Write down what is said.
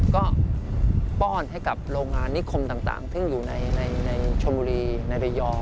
ก็ป้อนให้กับโรงงานนิคมต่างซึ่งอยู่ในชมบุรีในระยอง